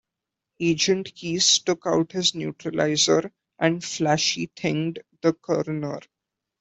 Agent Keys took out his neuralizer and flashy-thinged the coroner.